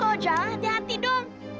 kamu kok jangan hati hati dong